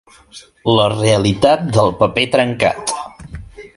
La realitat del paper trencat.